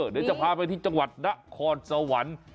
เดี๋ยวจะพาไปที่จังหวัดนครสวรรค์